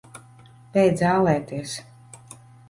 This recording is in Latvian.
Beidz ālēties!